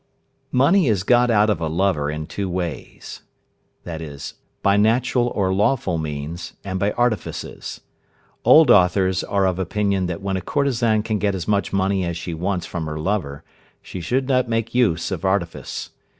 Money is got out of a lover in two ways, viz.: By natural or lawful means, and by artifices. Old authors are of opinion that when a courtesan can get as much money as she wants from her lover, she should not make use of artifice.